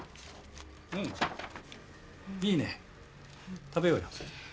いいね食べようよ。